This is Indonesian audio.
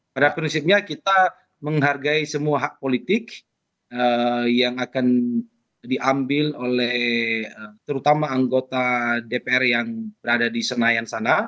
pada prinsipnya kita menghargai semua hak politik yang akan diambil oleh terutama anggota dpr yang berada di senayan sana